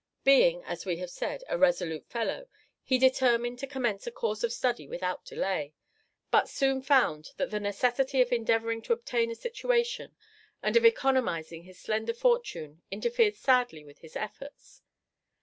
Being, as we have said, a resolute fellow, he determined to commence a course of study without delay, but soon found that the necessity of endeavouring to obtain a situation and of economising his slender fortune interfered sadly with his efforts.